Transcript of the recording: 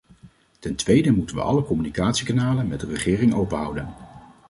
Ten tweede moeten we alle communicatiekanalen met de regering openhouden.